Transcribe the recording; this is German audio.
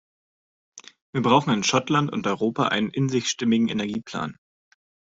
Wir brauchen in Schottland und Europa einen in sich stimmigen Energieplan.